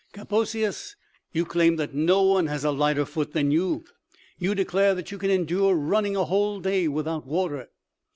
Kaposias, you claim that no one has a lighter foot than you; you declare that you can endure running a whole day without water.